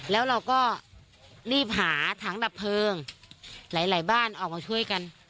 แล้วเราก็รีบหาถังดับเพลิงหลายบ้านออกมาช่วยกัน